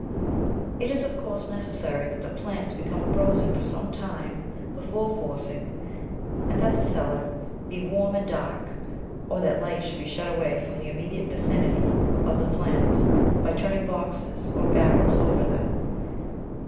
It is, of course, necessary that the plants become frozen for some time before forcing and that the cellar be warm and dark, or that light should be shut away from the immediate vicinity of the plants by turning boxes or barrels over [ 210 ] PERENNIAL VEGETABLES them.